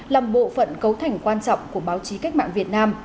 làm bộ phận cấu thành quan trọng của báo chí cách mạng việt nam